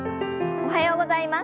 おはようございます。